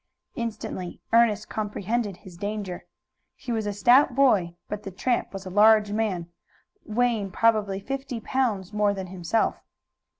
Instantly Ernest comprehended his danger. He was a stout boy, but the tramp was a large man, weighing probably fifty pounds more than himself.